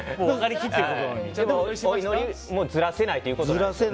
お祈りはずらせないということで。